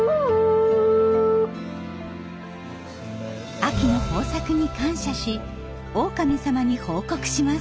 秋の豊作に感謝しオオカミ様に報告します。